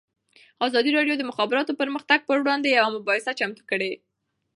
ازادي راډیو د د مخابراتو پرمختګ پر وړاندې یوه مباحثه چمتو کړې.